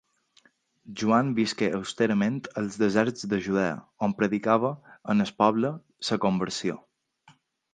Joan visqué austerament als deserts de Judea, on predicava al poble la conversió.